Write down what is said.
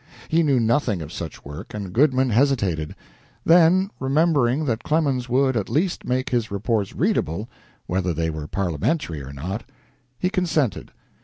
He knew nothing of such work, and Goodman hesitated. Then, remembering that Clemens would, at least, make his reports readable, whether they were parliamentary or not, he consented.